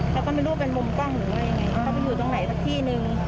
แล้วก็ไม่รู้เป็นมุมกล้องหรือไงเขาไปอยู่ตรงไหนสักที่นึง